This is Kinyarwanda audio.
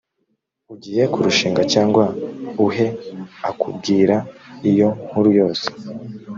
ugiye kurushinga cyangwa uheakubwira iyo nkuru yose